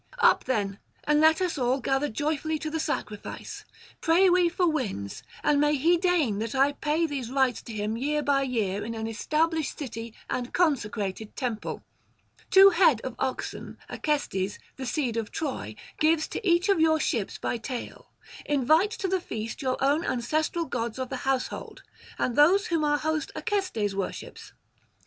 Up then and let us all gather joyfully to the sacrifice: pray we for winds, and may he deign that I pay these rites to him year by year in an established city and consecrated temple. Two head of oxen Acestes, the seed of Troy, gives to each of your ships by tale: invite to the feast your own ancestral gods of the household, and those whom our host Acestes worships.